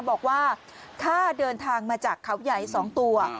บอกว่าค่าเดินทางมาจากเขาใหญ่๒ตัว